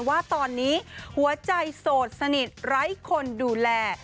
ว่าตอนนี้หัวใจโสดสนิทไร้คนดูแล